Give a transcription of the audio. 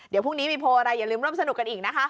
เดี๋ยวพรุ่งนี้มีโพลอะไรอย่าลืมร่วมสนุกกันอีกนะคะ